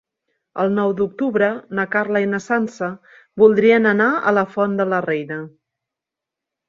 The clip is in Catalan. El nou d'octubre na Carla i na Sança voldrien anar a la Font de la Reina.